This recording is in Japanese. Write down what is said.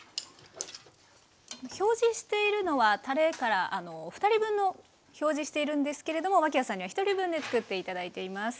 表示しているのはたれから２人分の表示しているんですけれども脇屋さんには１人分で作って頂いています。